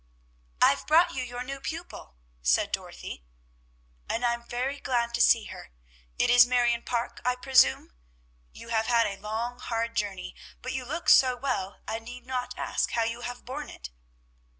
"I've brought you your new pupil," said Dorothy. "And I'm very glad to see her. It is Marion Parke, I presume. You have had a long, hard journey, but you look so well I need not ask how you have borne it."